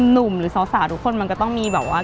หรือสาวทุกคนมันก็ต้องมีแบบว่า